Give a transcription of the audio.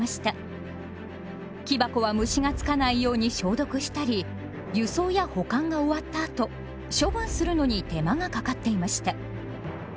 木箱は虫がつかないように消毒したり輸送や保管が終わったあと処分するのに手間がかかっていました。